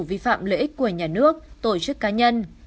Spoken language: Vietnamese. vi phạm lợi ích của nhà nước tổ chức cá nhân